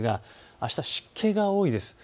あしたは湿気が多いです。